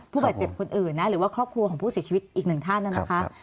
ผู้บาดเจ็บคนอื่นนะหรือว่าครอบครัวของผู้เสียชีวิตอีกหนึ่งท่านนะคะ